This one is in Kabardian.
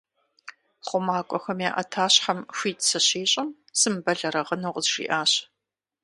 ХъумакӀуэхэм я Ӏэтащхьэм хуит сыщищӀым, сымыбэлэрыгъыну къызжиӀащ.